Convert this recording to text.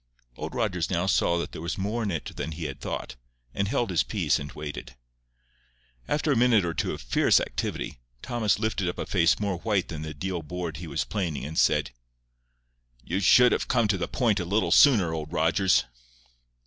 Old Rogers now saw that there was more in it than he had thought, and held his peace and waited. After a minute or two of fierce activity, Thomas lifted up a face more white than the deal board he was planing, and said, "You should have come to the point a little sooner, Old Rogers."